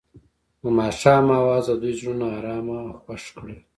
د ماښام اواز د دوی زړونه ارامه او خوښ کړل.